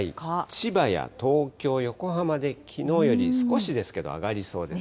千葉や東京、横浜できのうより少しですけど、上がりそうです